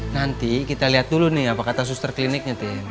nanti kita lihat dulu nih apa kata suster kliniknya tuh ya